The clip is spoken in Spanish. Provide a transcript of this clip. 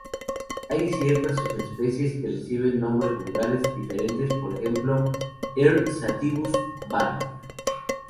Hay ciertas subespecies que reciben nombres vulgares diferentes, por ejemplo, "R. sativus" var.